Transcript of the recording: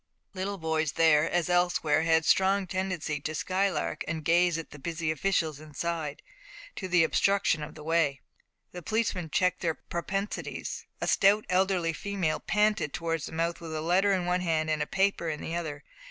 Little boys there, as elsewhere, had a strong tendency to skylark and gaze at the busy officials inside, to the obstruction of the way. The policeman checked their propensities. A stout elderly female panted towards the mouth with a letter in one hand and a paper in the other.